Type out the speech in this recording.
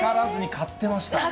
買ってました？